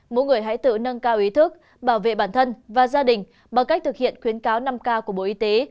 mỗi người hãy tự nâng cao ý thức bảo vệ bản thân và gia đình bằng cách thực hiện khuyến cáo năm k của bộ y tế